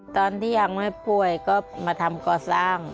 ตอนที่ยังไม่ป่วยก็มาทำก่อสร้าง